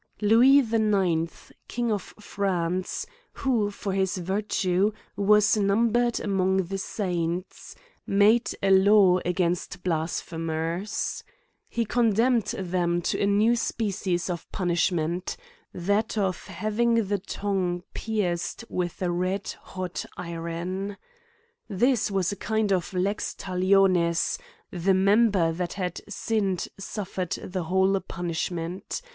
LOUIS the 9th. king of France, who, for his virtue, was numbered among the saints, made a law against blasphemers. He condemned them to a new species of punishment ; that of having the tongue pierced with a red hot iron. This was a kind of lex talionis ; the member that had sinned suffered the whole punishment.